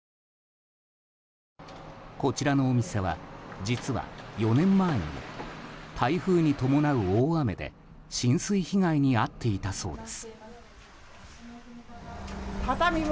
こちらのお店は実は４年前にも台風に伴う大雨で浸水被害に遭っていたそうです。